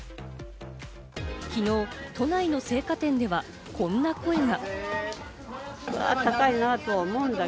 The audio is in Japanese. きのう都内の青果店では、こんな声が。